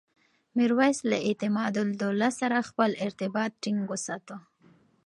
میرویس له اعتمادالدولة سره خپل ارتباط ټینګ وساته.